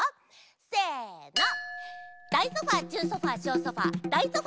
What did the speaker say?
せの。